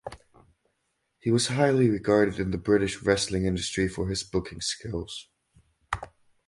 He was highly regarded in the British wrestling industry for his booking skills.